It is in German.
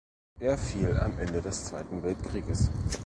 Er fiel am Ende des Zweiten Weltkrieges.